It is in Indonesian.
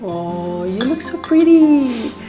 kamu terlihat sangat cantik